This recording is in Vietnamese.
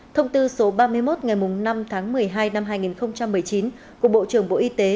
thông tư số ba mươi một ngày năm tháng một mươi hai năm hai nghìn một mươi chín của bộ trưởng bộ y tế